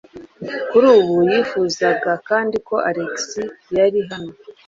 Kuri ubu yifuzaga kandi ko Alex yari hano.